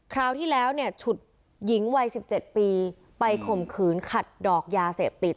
คราวที่แล้วเนี่ยฉุดหญิงวัย๑๗ปีไปข่มขืนขัดดอกยาเสพติด